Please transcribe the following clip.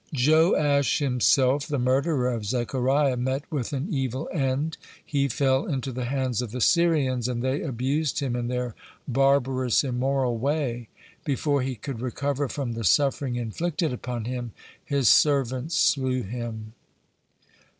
(15) Joash himself, the murderer of Zechariah, met with an evil end. He fell into the hands of the Syrians, and they abused him in their barbarous, immoral way. Before he could recover from the suffering inflicted upon him, his servants slew him.